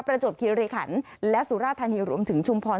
ประจบคิริขันศ์และสุราภัณฑ์ธรรมถึงชุมพร